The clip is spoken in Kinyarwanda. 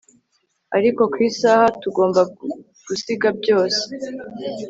Ariko ku isaha tugomba gusiga byose